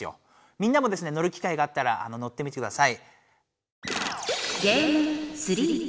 みんなもですね乗るき会があったらあの乗ってみてください。